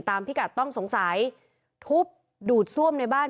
พิกัดต้องสงสัยทุบดูดซ่วมในบ้าน